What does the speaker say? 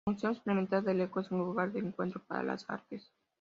El Museo Experimental El Eco es un lugar de encuentro para las artes.